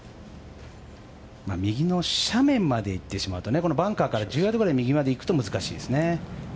右の斜面まで行ってしまうとバンカーから１０ヤードぐらい右まで行くと難しいですね。